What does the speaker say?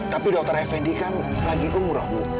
tapi dokter effendi kan lagi umroh bu